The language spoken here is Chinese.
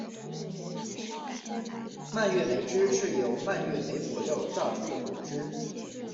蔓越莓汁是由蔓越莓果肉榨出的果汁。